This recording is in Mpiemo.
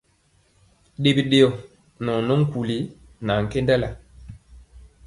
Ɗe biɗeyɔ nɛ ɔ nɔ nkuli nɛ ankendala.